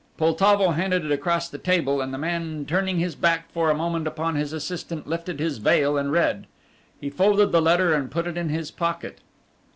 Poltavo handed it across the table, and the man turning his back for a moment upon his assistant lifted his veil and read. He folded the letter and put it in his pocket.